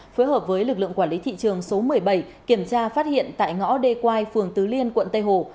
phối hợp với lực lượng quản lý thị trường số một mươi bảy kiểm tra phát hiện tại ngõ đê quai phường tứ liên quận tây hồ